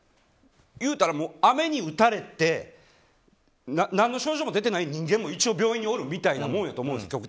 言うたら、雨に打たれて何の症状も出ていない人間も一応病院におるみたいなもんやと思うんです